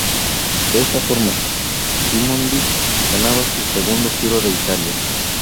De esta forma, Gimondi ganaba su segundo Giro de Italia.